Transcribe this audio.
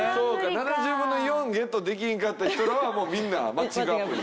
７０分の４ゲットできひんかった人らはもうみんなマッチングアプリ。